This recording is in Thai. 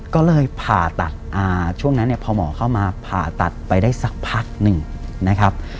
ก็เลยผ่าตัดช่วงนั้นเนี่ยพอหมอเข้ามาผ่าตัดไปได้สักพักหนึ่งนะครับ